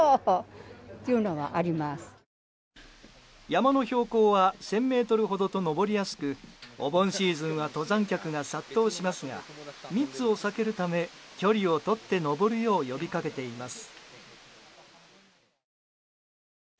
山の標高は１０００ｍほどと登りやすくお盆シーズンは登山客が殺到しますが密を避けるため距離をとって登るよう呼び掛けています。